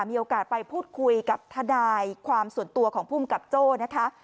มีโอกาสไปพูดคุยกับทนายความส่วนตัวของภูมิกับโจ้นะคะ